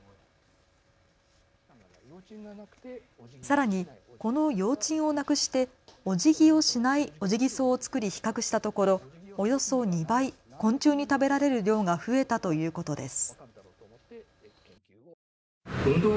さらに、この葉枕をなくしておじぎをしないオジギソウを作り比較したところおよそ２倍、昆虫に食べられる量が増えたということです。